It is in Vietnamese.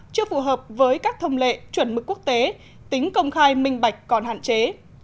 chưa phù hợp với các thông lệ chuẩn mực quốc tế tính công khai minh bạch còn hạn chế